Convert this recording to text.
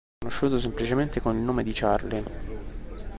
È conosciuto semplicemente con il nome di Charlie.